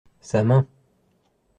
Sa main.